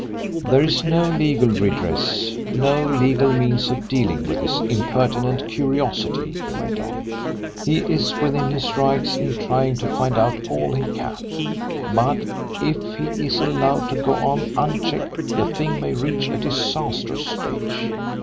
"There is no legal redress no legal means of dealing with his impertinent curiosity," he went on. "He is within his rights in trying to find out all he can. But if he is allowed to go on unchecked the thing may reach a disastrous stage.